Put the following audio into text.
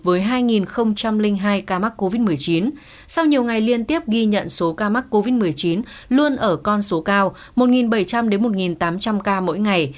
với hai hai ca mắc covid một mươi chín sau nhiều ngày liên tiếp ghi nhận số ca mắc covid một mươi chín luôn ở con số cao một bảy trăm linh một tám trăm linh ca mỗi ngày